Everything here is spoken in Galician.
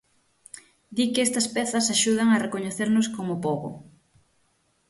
Di que estas pezas axudan a recoñecernos como pobo.